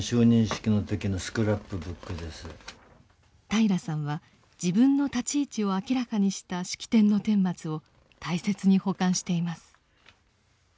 平良さんは自分の立ち位置を明らかにした式典の顛末を大切に保管しています。